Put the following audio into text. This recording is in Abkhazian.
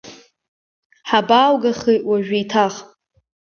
Ҳабааугахи уажәы еиҭах!